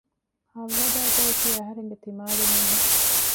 ހައްވަ ދައިތައަކީ އަހަރެންގެ ތިމާގެ މީހެއް